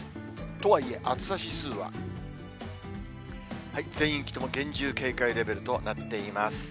とはいえ暑さ指数は、全域とも厳重警戒レベルとなっています。